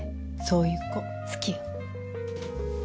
そういう子好きよ。